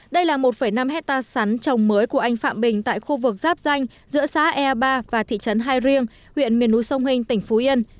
đây là một năm hectare sắn trồng mới của anh phạm bình tại khu vực giáp danh giữa xã ea ba và thị trấn hai riêng huyện miền núi sông hình tỉnh phú yên